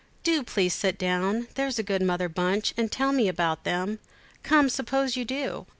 "Do please sit down, there's a good Mother Bunch, and tell me all about them? Come, suppose you do."